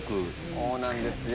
そうなんですよ。